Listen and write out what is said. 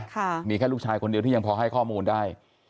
ค่ะมีแค่ลูกชายคนเดียวที่ยังพอให้ข้อมูลได้